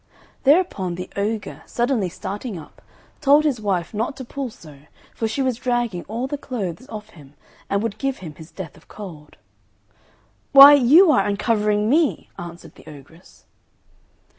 Thereupon the ogre, suddenly starting up, told his wife not to pull so, for she was dragging all the clothes off him, and would give him his death of cold. "Why you are uncovering me!" answered the ogress.